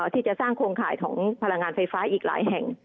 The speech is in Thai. ที่จะสร้างโครงข่ายของพลังงานไฟฟ้าอีกหลายแห่ง